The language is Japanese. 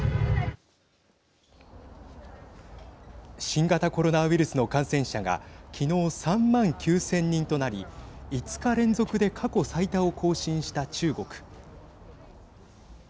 新型コロナウイルスの感染者が昨日３万９０００人となり５日連続で過去最多を更新した中国。